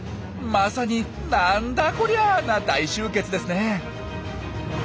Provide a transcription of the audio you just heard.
まさに「なんだこりゃ！！」な大集結ですねえ。